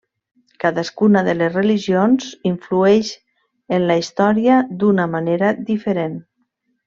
Cadascuna de les religions influeix en la història d'una manera diferent.